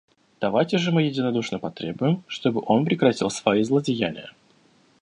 Давайте же мы единодушно потребуем, чтобы он прекратил свои злодеяния.